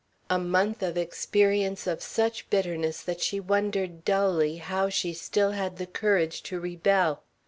A month of experience of such bitterness that she wondered dully how she still had the courage to rebel.